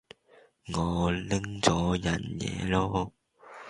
我領咗人嘢囉